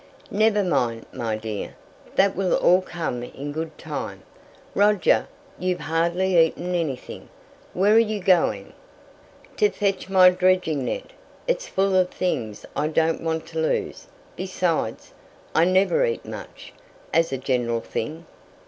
"Never mind, my dear. That will all come in good time. Roger, you've hardly eaten anything; where are you going?" "To fetch my dredging net. It's full of things I don't want to lose. Besides, I never eat much, as a general thing."